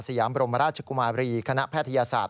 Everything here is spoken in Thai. ยามบรมราชกุมาบรีคณะแพทยศาสตร์